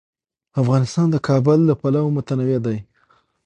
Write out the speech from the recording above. افغانستان د کابل له پلوه متنوع دی.